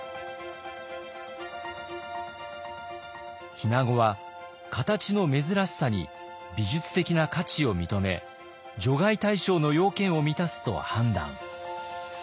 日名子は形の珍しさに美術的な価値を認め除外対象の要件を満たすと判断。